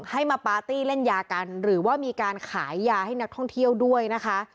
ให้มาปาร์ตี้เล่นยากันหรือว่ามีการขายยาให้นักท่องเที่ยวด้วยนะคะ